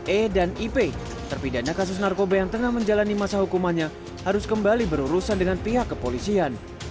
e dan ip terpidana kasus narkoba yang tengah menjalani masa hukumannya harus kembali berurusan dengan pihak kepolisian